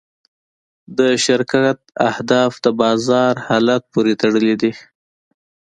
د شرکت اهداف د بازار حالت پورې تړلي دي.